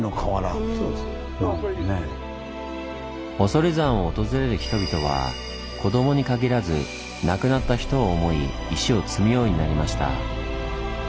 恐山を訪れる人々は子どもに限らず亡くなった人を思い石を積むようになりました。